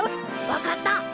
わかった！